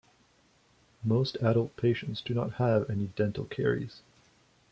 Most adult patients do not have any dental caries.